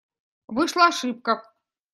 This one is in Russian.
Вышла ошибка.